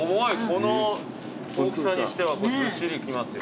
この大きさにしてはずっしりきますよ。